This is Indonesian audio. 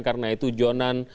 karena itu jonan